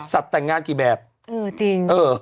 สัตว์แต่งงานกี่แบบเออจริง